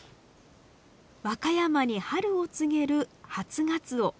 和歌山に春を告げる初がつお。